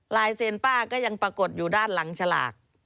เซ็นป้าก็ยังปรากฏอยู่ด้านหลังฉลาก